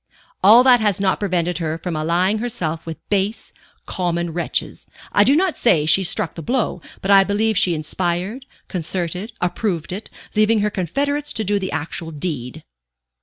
"All that has not prevented her from allying herself with base, common wretches. I do not say she struck the blow, but I believe she inspired, concerted, approved it, leaving her confederates to do the actual deed."